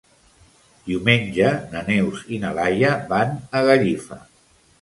Diumenge na Neus i na Laia van a Gallifa.